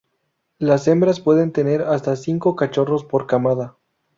Las hembras pueden tener hasta cinco cachorros por camada.